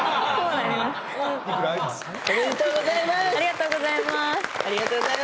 ありがとうございます。